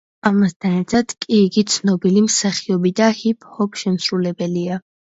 ამასთან ერთად კი იგი ცნობილი მსახიობი და ჰიპ-ჰოპ შემსრულებელია.